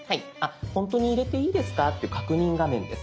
「ほんとに入れていいですか？」っていう確認画面です。